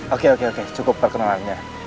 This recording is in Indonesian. oke oke cukup perkenalannya